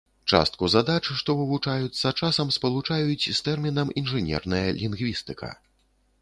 Частку задач, што вывучаюцца, часам спалучаюць з тэрмінам інжынерная лінгвістыка.